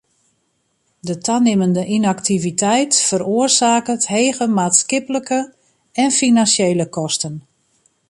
De tanimmende ynaktiviteit feroarsaket hege maatskiplike en finansjele kosten.